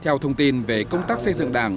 theo thông tin về công tác xây dựng đảng